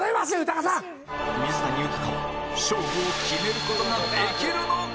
水谷豊は勝負を決める事ができるのか？